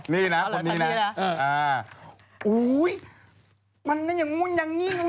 นี่นะคนนี้นะ